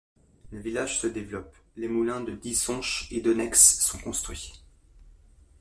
Le village se développe, les moulins de Disonche et d'Onnex sont construits.